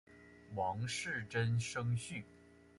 王士禛甥婿。